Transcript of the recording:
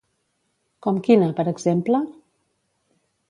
Com quina, per exemple?